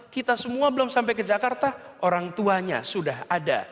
dan mereka sudah ada